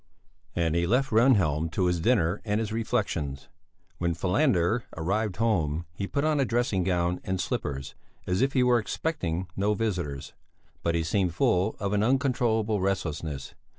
And he left Rehnhjelm to his dinner and his reflections. When Falander arrived home, he put on a dressing gown and slippers, as if he were expecting no visitors. But he seemed full of an uncontrollable restlessness.